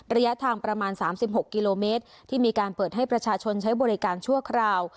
ระยะทางประมาณ๓๖กิโลเมตรที่มีการเปิดให้ประชาชนใช้บริการชั่วคราว